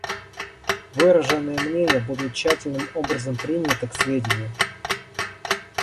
Выраженные мнения будут тщательным образом приняты к сведению.